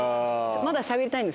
まだしゃべりたいんです。